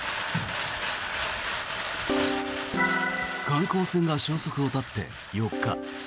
観光船が消息を絶って４日。